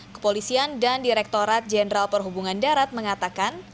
kepolisian dan direktorat jenderal perhubungan darat mengatakan